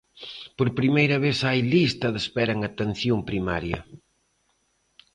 Por primeira vez hai lista de espera en atención primaria.